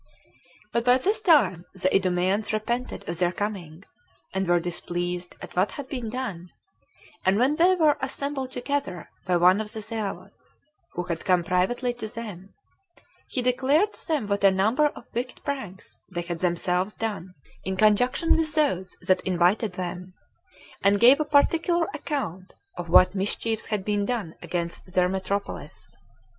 5. But by this time the Idumeans repented of their coming, and were displeased at what had been done; and when they were assembled together by one of the zealots, who had come privately to them, he declared to them what a number of wicked pranks they had themselves done in conjunction with those that invited them, and gave a particular account of what mischiefs had been done against their metropolis.